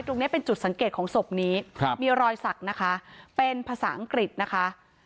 ตรงนี้เป็นจุดสังเกตของศพนี้ครับมีรอยสักนะคะเป็นภาษาอังกฤษนะคะ